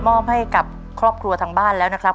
มอบให้กับครอบครัวทางบ้านแล้วนะครับ